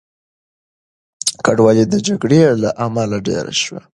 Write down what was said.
کډوالۍ د جګړې له امله ډېره شوه.